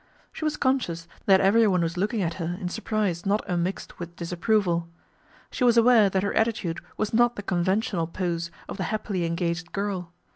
She was conscious that everyone was looking at her in surprise not unmixed with disapproval. She was aware that her attitude was not the con ventional pose of the happily engaged girl.